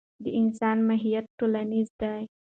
د انسان ماهیت ټولنیز دی.